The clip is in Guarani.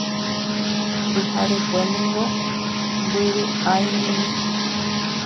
Pyharekue niko mbyry'áimi.